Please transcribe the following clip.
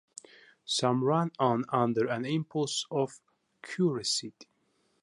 Some ran on, under an impulse of curiosity.